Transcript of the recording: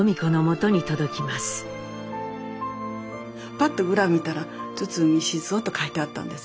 パッと裏を見たら堤雄と書いてあったんです。